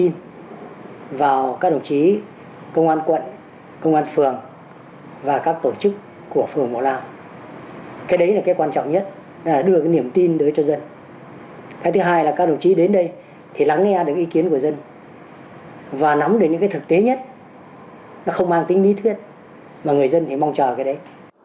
nó không mang tính lý thuyết mà người dân thì mong chờ cái đấy